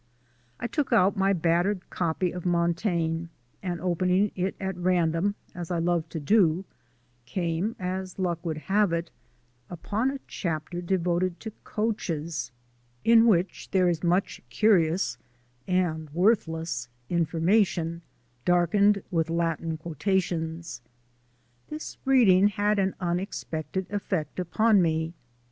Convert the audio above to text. I took out my battered copy of Montaigne and, opening it at random, as I love to do, came, as luck would have it, upon a chapter devoted to coaches, in which there is much curious (and worthless) information, darkened with Latin quotations. This reading had an unexpected effect upon me.